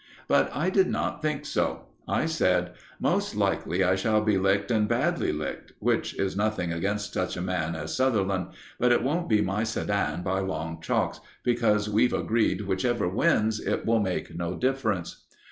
But I did not think so. I said: "Most likely I shall be licked and badly licked, which is nothing against such a man as Sutherland; but it won't be my Sedan by long chalks, because we've agreed whichever wins it will make no difference."